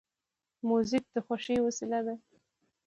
موزیک د خوښۍ وسیله ده.